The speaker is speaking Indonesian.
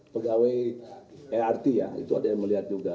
pegawai ert ya itu ada yang melihat juga